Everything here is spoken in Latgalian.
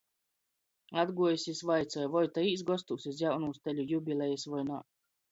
Atguojs jis vaicuoja, voi ta īs gostūs iz jaunūs teļu jubilejis voi nā.